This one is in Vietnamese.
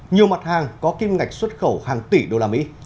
nhiều mặt hàng có kim ngạch xuất khẩu hàng tỷ usd